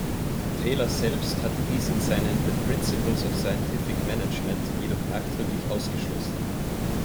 Taylor selbst hatte dies in seinen "The principles of scientific management" jedoch nachdrücklich ausgeschlossen.